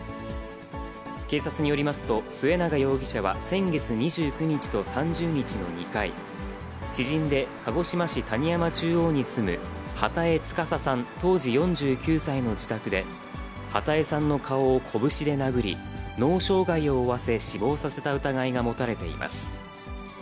警察によりますと、末永容疑者は先月２９日と３０日の２回、知人で鹿児島市谷山中央に住む波多江司さん当時４９歳の自宅で、波多江さんの顔を拳で殴り、脳障害を負わせ、死亡させた疑いが持たれています。